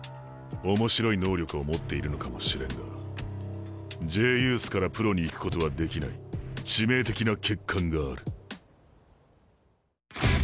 面白い能力を持っているのかもしれんがＪユースからプロに行くことはできない致命的な欠陥がある。